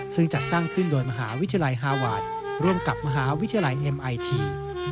ซึ่งจัดตั้งขึ้นโดยมหาวิทยาลัยฮาวาสร่วมกับมหาวิทยาลัยเอ็มไอที